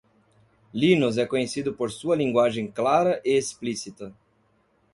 Linus é conhecido por sua linguagem clara e explícita.